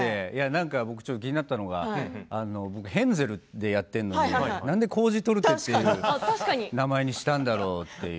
気になったのが僕、ヘンゼルでやってるのに何でコージトルテって名前にしたんだろうって。